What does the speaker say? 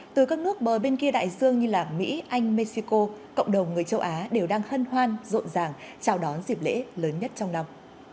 từ các nước bờ bên kia đại dương như mỹ anh mexico cộng đồng người châu á đều đang hân hoan rộn ràng chào đón dịp lễ lớn nhất trong năm